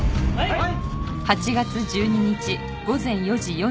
はい！